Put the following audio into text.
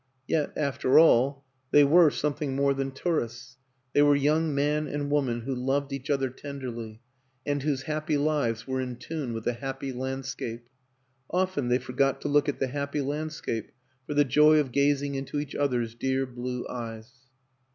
Yet, after all, they were something more than tourists; they were young man and woman who loved each other tenderly and whose happy lives were in tune with the happy landscape. Often they forgot to look at the happy landscape for the joy of gazing into each other's dear blue eyes.